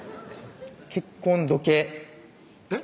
結婚時計えっ？